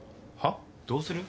どうする？